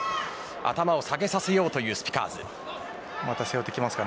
頭を下げさせようというスピカーズです。